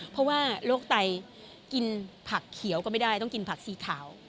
เพราะว่าโรคไตกินผักเขียวก็ไม่ได้ต้องกินผักสีขาว